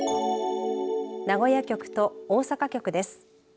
名古屋局と大阪局です。